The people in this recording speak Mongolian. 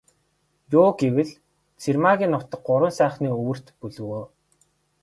Юу гэвэл, Цэрмаагийн нутаг Гурван сайхны өвөрт бөлгөө.